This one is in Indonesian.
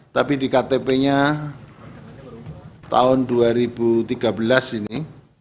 tapi di ktp nya tahun dua ribu tiga belas ini